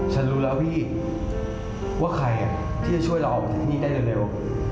ฉันรู้แล้วพี่ว่าใครที่จะช่วยเราออกมาที่นี่ได้เร็ว